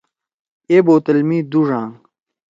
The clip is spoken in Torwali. اے بوتل می دو ڙانگ؟